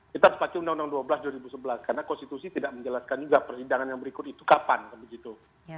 kita harus pakai undang undang dua belas dua ribu sebelas karena konstitusi tidak menjelaskan juga persidangan yang berikut itu kapan begitu